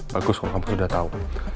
bagus kalau kamu sudah tahu